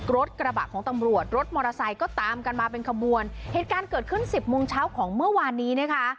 รถกระบะของตำรวจรถมอเตอร์ไซค์ก็ตามกันมาเป็นขบวนเหตุการณ์เกิดขึ้นสิบโมงเช้าของเมื่อวานนี้นะคะ